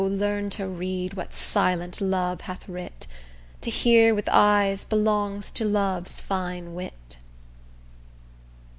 learn to read what silent love hath writ: To hear with eyes belongs to love's fine wit.